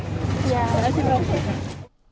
ya terima kasih pak